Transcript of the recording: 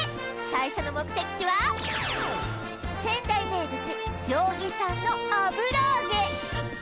最初の目的地は仙台名物定義山の油揚げ